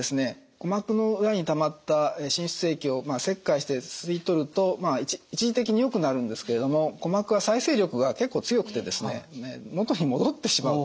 鼓膜の裏にたまった滲出液を切開して吸い取ると一時的によくなるんですけれども鼓膜は再生力が結構強くてですね元に戻ってしまうと。